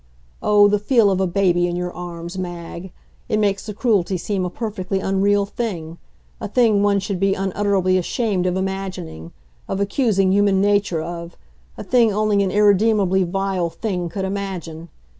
Oh, the feel of a baby in your arms, Mag! It makes the Cruelty seem a perfectly unreal thing, a thing one should be unutterably ashamed of imagining, of accusing human nature of; a thing only an irredeemably vile thing could imagine.